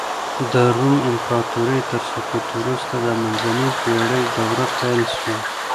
د روم امپراطورۍ تر سقوط وروسته د منځنۍ پېړۍ دوره پيل سوه.